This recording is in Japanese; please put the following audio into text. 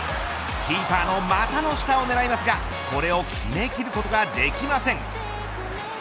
キーパーの股の下を狙いますがこれを決め切ることができません。